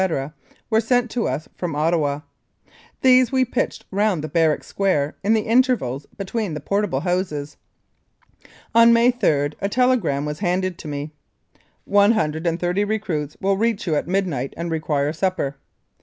were sent to us from Ottawa. These we pitched round the barrack square in the intervals between the portable houses. On May 3 a telegram was handed to me :" One hundred and thirty recruits will reach you at midnight, and require supper."